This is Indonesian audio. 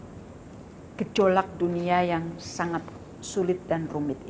menafigasi gejolak dunia yang sangat sulit dan rumit